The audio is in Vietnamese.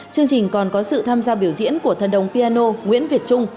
chương trình còn có sự tham gia biểu diễn của thần đồng piano nguyễn việt trung